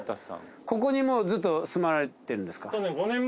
ここにもうずっと住まれてるんですか？